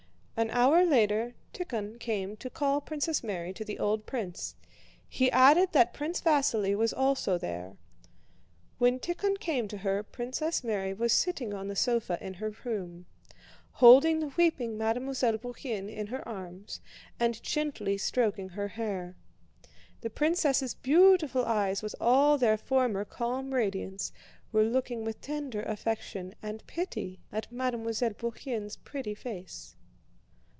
An hour later, Tíkhon came to call Princess Mary to the old prince; he added that Prince Vasíli was also there. When Tíkhon came to her Princess Mary was sitting on the sofa in her room, holding the weeping Mademoiselle Bourienne in her arms and gently stroking her hair. The princess' beautiful eyes with all their former calm radiance were looking with tender affection and pity at Mademoiselle Bourienne's pretty face.